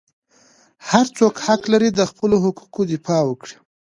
هر څوک حق لري د خپلو حقوقو دفاع وکړي.